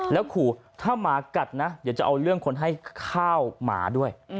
แล้วขู่ถ้าหมากัดนะเดี๋ยวจะเอาเรื่องคนให้ข้าวหมาด้วย